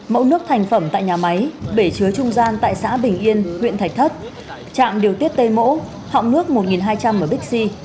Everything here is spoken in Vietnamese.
mẫu nước thành phẩm tại nhà máy bể chứa trung gian tại xã bình yên huyện thạch thất trạm điều tiết t mẫu họng nước một nghìn hai trăm linh mbps